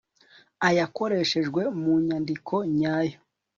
ayakoreshejwe mu nyandiko nyayo